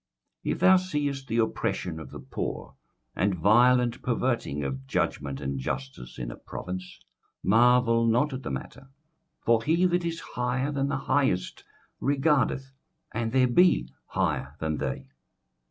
21:005:008 If thou seest the oppression of the poor, and violent perverting of judgment and justice in a province, marvel not at the matter: for he that is higher than the highest regardeth; and there be higher than they.